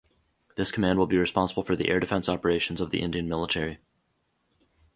This command will be responsible for the air defence operations of the Indian military.